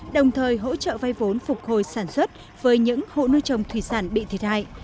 đồng thời hỗ trợ vay vốn phục hồi sản xuất với những hộ nuôi trồng thủy sản bị thiệt hại